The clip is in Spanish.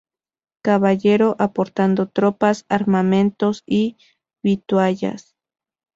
Caballero, aportando tropas, armamentos y vituallas.